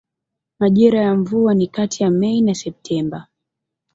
Majira ya mvua ni kati ya Mei na Septemba.